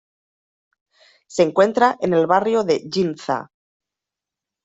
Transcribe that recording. Se encuentra en el barrio de Ginza.